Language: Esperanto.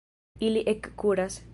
Ili ekkuras.